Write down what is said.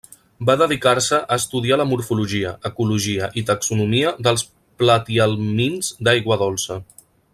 Va dedicar-se a estudiar la morfologia, ecologia i taxonomia dels platihelmints d'aigua dolça.